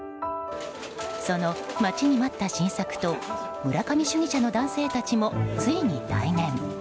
その待ちに待った新作と村上主義者の男性たちもついに対面。